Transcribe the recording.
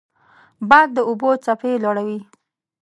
باد د اوبو څپې لوړوي